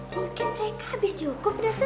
mungkin mereka habis dihukum